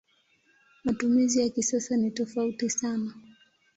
Matumizi ya kisasa ni tofauti sana.